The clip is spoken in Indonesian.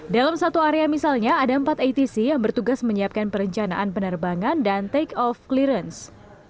dalam satu area misalnya ada empat atc yang bertugas menyiapkan perencanaan penerbangan dan take off clearance